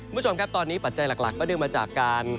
คุณผู้ชมครับตอนนี้ปัจจัยหลักก็เนื่องมาจากการ